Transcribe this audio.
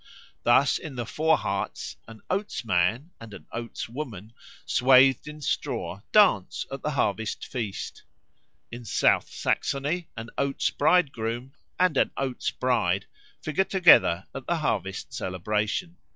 Thus in the Vorharz an Oats man and an Oats woman, swathed in straw, dance at the harvest feast. In South Saxony an Oats bridegroom and an Oats bride figure together at the harvest celebration.